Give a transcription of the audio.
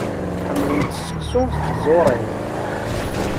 Ḥemmlent seksu s tẓuṛin.